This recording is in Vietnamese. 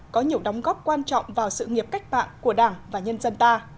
có nhiều đóng góp quan trọng vào sự nghiệp cách mạng của đảng và nhân dân ta